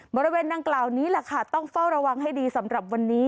บริเวณดังกล่าวนี้แหละค่ะต้องเฝ้าระวังให้ดีสำหรับวันนี้